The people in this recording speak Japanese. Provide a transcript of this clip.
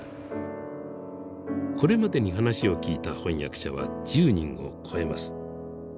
これまでに話を聞いた翻訳者は１０人を超えます。